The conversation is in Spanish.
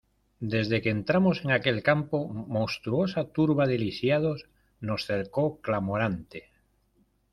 desde que entramos en aquel campo, monstruosa turba de lisiados nos cercó clamorante: